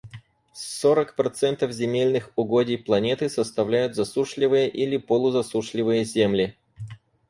Сорок процентов земельных угодий планеты составляют засушливые или полузасушливые земли.